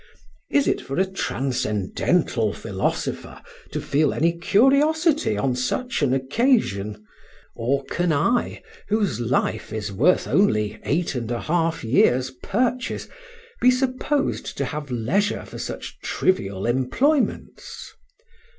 Is it for a Transcendental Philosopher to feel any curiosity on such an occasion? Or can I, whose life is worth only eight and a half years' purchase, be supposed to have leisure for such trivial employments?